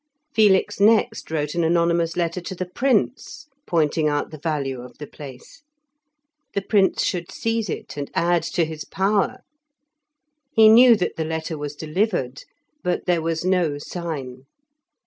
Felix next wrote an anonymous letter to the Prince pointing out the value of the place. The Prince should seize it, and add to his power. He knew that the letter was delivered, but there was no sign.